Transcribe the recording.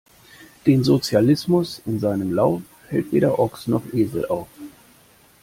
Den Sozialismus in seinem Lauf, hält weder Ochs noch Esel auf!